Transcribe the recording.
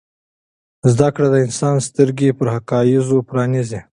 زده کړه د انسان سترګې پر حقایضو پرانیزي.